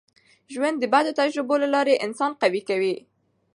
ژوند د بدو تجربو له لاري انسان قوي کوي.